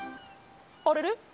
あれれ？